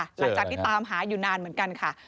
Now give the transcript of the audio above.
หลังจากที่ตามหาอยู่นานเหมือนกันค่ะ